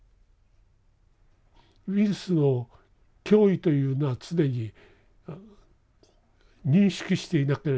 ウイルスの脅威というのは常に認識していなければいけない。